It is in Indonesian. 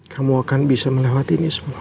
kamu akan bisa melewati ini semua